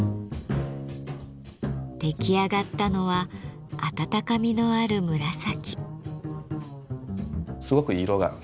出来上がったのはあたたかみのある紫。